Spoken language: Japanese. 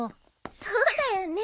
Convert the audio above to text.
そうだよね。